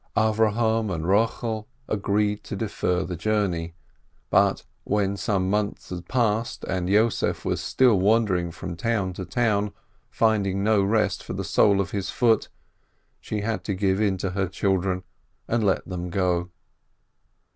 Avrohom and Rochel agreed to defer the journey, but when some months had passed, and Yossef was still wandering from town to town, finding no rest for the sole of his foot, she had to give in to her children and let them go.